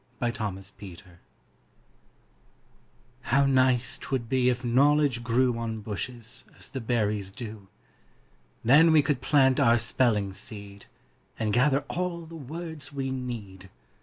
EASY KNOWLEDGE How nice 'twould be if knowledge grew On bushes, as the berries do! Then we could plant our spelling seed, And gather all the words we need.